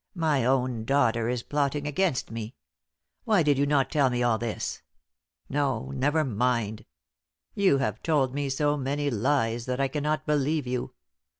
"My own daughter is plotting against me. Why did you not tell me all this? No, never mind. You have told me so many lies that I cannot believe you.